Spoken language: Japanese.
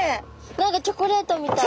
何かチョコレートみたい。